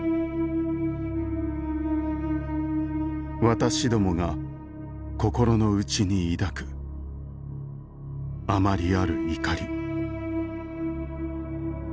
「私どもが心の内にいだく余りある怒り。